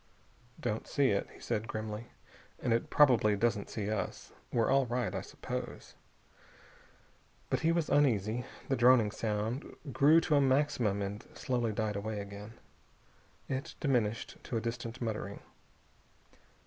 "Don't see it," he said grimly, "and it probably doesn't see us. We're all right, I suppose." But he was uneasy. The droning noise grew to a maximum and slowly died away again. It diminished to a distant muttering.